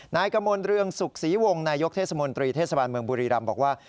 นายกมลเรืองสุขศรีวงศ์นายกเทศมนตรีเทศบาลเมืองบุรีรำบอกว่า